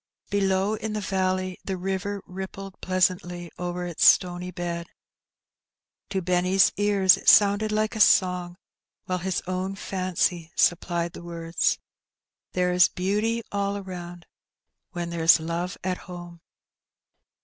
Below in the valley the river rippled pleasantly over its stony bed. To Benny's ears it sounded like a song, while his own fancy supplied the words —*' There is beauty aU around When there's love at home."